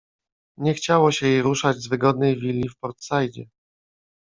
Nie chciało się jej ruszać z wygodnej willi w Port-Saidzie.